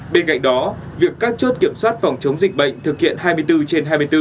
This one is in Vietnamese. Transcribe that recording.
bên cạnh đó việc các chốt kiểm soát phòng chống dịch bệnh thực hiện hai mươi bốn trên hai mươi bốn